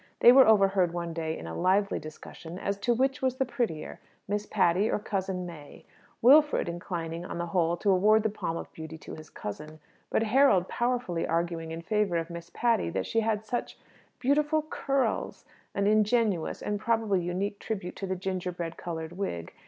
They were overheard one day in a lively discussion as to which was the prettier, Miss Patty or Cousin May: Wilfred inclining, on the whole, to award the palm of beauty to his cousin, but Harold powerfully arguing in favour of Miss Patty that she had such "beautiful curls" (an ingenuous, and probably unique, tribute to the ginger bread coloured wig!)